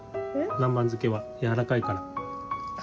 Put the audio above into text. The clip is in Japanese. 南蛮漬けはやわらかいから。